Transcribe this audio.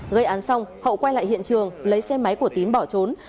gây án xong hậu quay lại hiện trường lấy xe máy của tín bỏ trốn